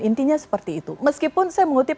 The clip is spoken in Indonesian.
intinya seperti itu meskipun saya mengutip